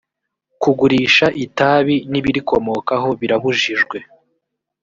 kugurisha itabi n ibirikomokaho birabujijwe